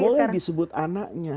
tidak boleh disebut anaknya